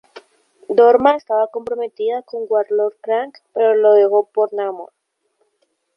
Dorma estaba comprometida con Warlord Krang, pero lo dejó por Namor.